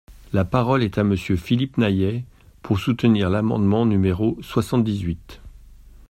La parole est à Monsieur Philippe Naillet, pour soutenir l’amendement numéro soixante-dix-huit.